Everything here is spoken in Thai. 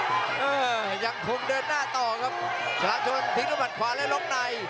อื่อยังคงเดินหน้าต่อครับฉลามชนทิ้งกระบาดขวาแล้วลอกได้